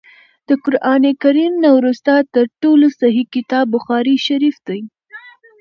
د قران کريم نه وروسته تر ټولو صحيح کتاب بخاري شريف دی